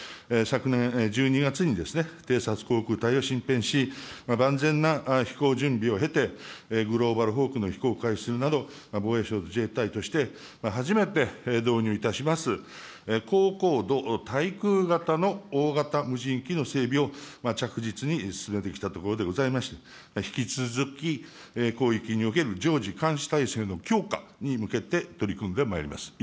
これまで昨年１２月に偵察航空隊をしんぺんし、万全な飛行準備を経て、グローバルホークの飛行開始など、防衛省自衛隊として、初めて導入いたします、高高度滞空型の大型無人機の整備を着実に進めてきたところでございまして、引き続き、広域における常時監視体制の強化に向けて取り組んでまいります。